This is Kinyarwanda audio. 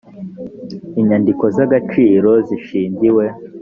inyandiko z agaciro zishingiwe